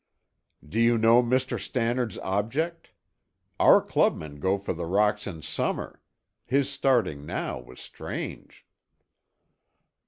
"Do you know Mr. Stannard's object? Our clubmen go for the rocks in summer. His starting now was strange."